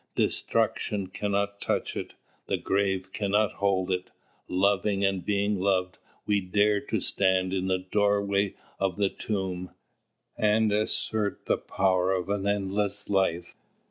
Destruction cannot touch it. The grave cannot hold it. Loving and being loved, we dare to stand in the very doorway of the tomb, and assert the power of an endless life.